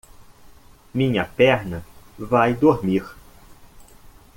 Minha perna vai dormir.